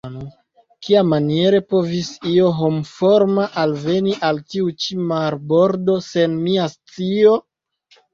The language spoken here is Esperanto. Kiamaniere povis io homforma alveni al tiu-ĉi marbordo sen mia scio?